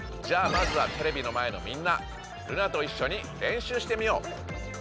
じゃあまずはテレビの前のみんなルナといっしょに練習してみよう！